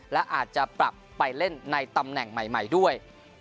และอาจจะปรับไปเล่นในตำแหน่งใหม่ด้วย